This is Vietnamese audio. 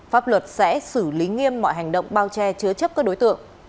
pháp luật sẽ xử lý nghiêm mọi hành động bao che chứa chấp các đối tượng